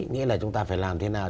nghĩa là chúng ta phải làm thế nào